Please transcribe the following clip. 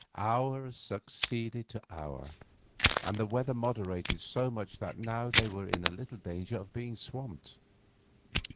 Hour succeeded to hour, and the weather moderated so much that now they were in little danger of being swamped.